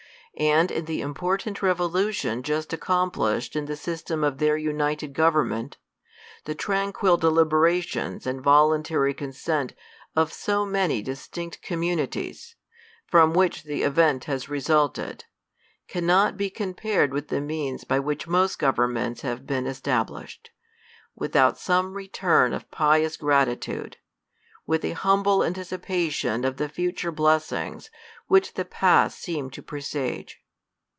And in the important revolution just accomplished in the system ef their united government, the tranquil deliberations and voluntary consent of so many distinct communities, from which the event has resulted, cannot be com pared with the means by which most governments have been established, without some return of pious gratitude, with a humble anticipation of the future blessings which the past seem to presage.